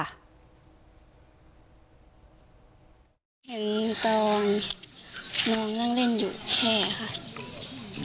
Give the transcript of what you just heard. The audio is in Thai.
เห็นตอนน้องนั่งเล่นอยู่แค่ค่ะ